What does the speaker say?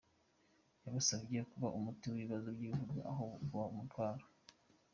Yabasabye kuba umuti w’ibibazo by’igihugu aho kuba umutwaro.